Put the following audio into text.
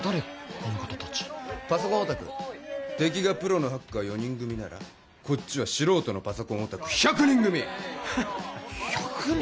この方達パソコンオタク敵がプロのハッカー４人組ならこっちは素人のパソコンオタク１００人組１００人？